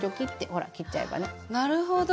なるほど。